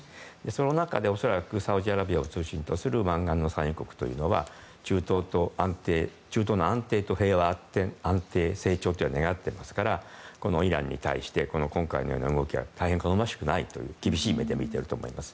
その中で恐らくサウジアラビアを中心とする湾岸の産油国というのは中東の安定と平和、成長を願っていますからイランに対して今回のような動きは大変好ましくないという厳しい目で見ていると思います。